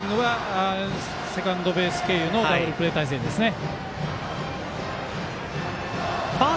内野手の守備は後ろセカンドベース経由のダブルプレー態勢ですね。